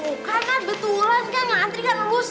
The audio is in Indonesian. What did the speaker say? tuh kan nant betulan kan nantri kan lo sih